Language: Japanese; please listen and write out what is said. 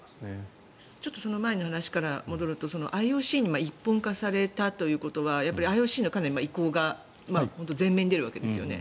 ちょっとその前の話から戻るとＩＯＣに一本化されたということはＩＯＣの意向が前面に出るわけですよね。